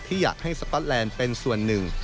อยากให้สก๊อตแลนด์เป็นส่วนหนึ่ง